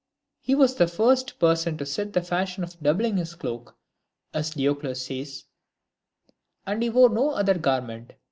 VII. He was the first person to set the fashion of doubling his cloak, as Diocles says, and he wore no other garment.